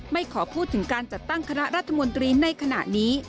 ไม่ขอพูดถึงการจัดตั้งคณะรัฐมนตรีในขณะนี้